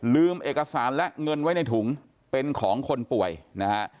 เอกสารและเงินไว้ในถุงเป็นของคนป่วยนะฮะ